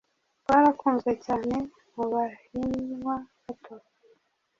rwarakunzwe cyane mubahinwa bato